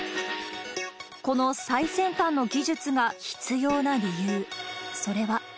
この最先端の技術が必要な理由、それは。